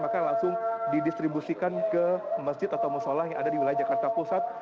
maka langsung didistribusikan ke masjid atau musola yang ada di wilayah jakarta pusat